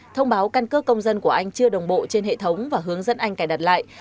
thông báo căn cơ công dân của anh chưa đồng bộ trên hệ thống và hướng dẫn anh cài đặt lại